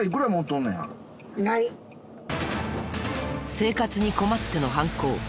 生活に困っての犯行。